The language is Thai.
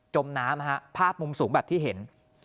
มน้ำภาพมุมสูงแบบที่เห็น